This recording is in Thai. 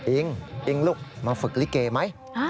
อิงลูกมาฝึกลิเกไหม